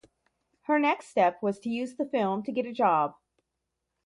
Her next step was to use the film to get a job.